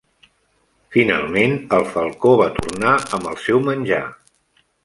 Finalment el falcó va tornar amb el seu menjar.